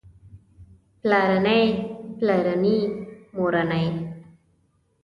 پلارنی پلارني مورنۍ